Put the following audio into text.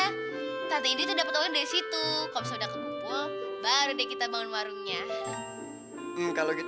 tante indri itu dapat uangnya dari situ